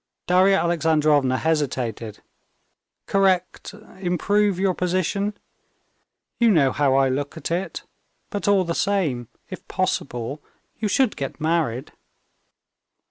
(Darya Alexandrovna hesitated) "correct, improve your position.... You know how I look at it.... But all the same, if possible, you should get married...."